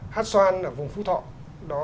hát xoan ở vùng phú thọ